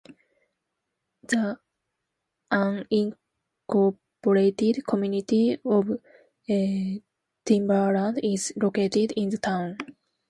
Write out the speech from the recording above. The unincorporated community of Timberland is located in the town.